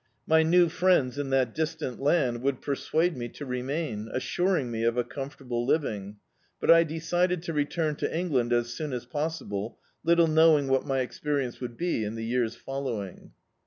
My new friends in that distant land would persuade me to remain, assuring me of a comfortable living, but I decided to return to England as soon as possi ble, little knowing what my experience would be in the years following.